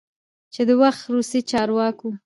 چې د وخت روسی چارواکو،